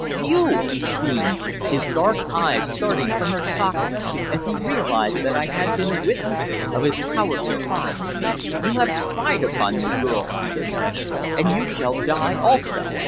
'You!' he screamed, his dark eyes starting from their sockets as he realized that I had been a witness of his cowardly crime. 'You have spied upon me, girl!' he hissed, 'and you shall die also!'